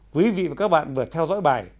quý vị và các bạn vừa theo dõi bài